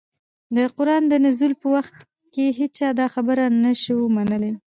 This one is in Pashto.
د قرآن د نزول په وخت كي هيچا دا خبره نه شوى منلى